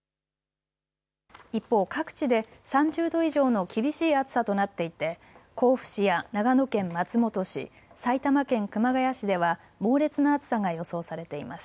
一方、各地で３０度以上の厳しい暑さとなっていて甲府市や長野県松本市、埼玉県熊谷市では猛烈な暑さが予想されています。